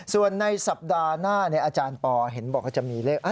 ส่วนในสัปดาห์หน้าอาจารย์ปอเห็นบอกว่าจะมีเลข